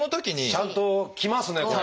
ちゃんときますねこれ。